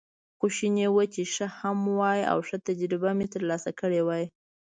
خو شوني وه چې ښه هم وای، او ښه تجربه مې ترلاسه کړې وای.